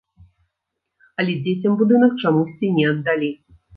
Але дзецям будынак чамусьці не аддалі.